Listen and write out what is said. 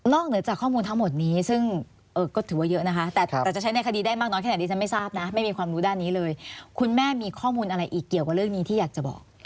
เหนือจากข้อมูลทั้งหมดนี้ซึ่งก็ถือว่าเยอะนะคะแต่จะใช้ในคดีได้มากน้อยแค่ไหนดิฉันไม่ทราบนะไม่มีความรู้ด้านนี้เลยคุณแม่มีข้อมูลอะไรอีกเกี่ยวกับเรื่องนี้ที่อยากจะบอก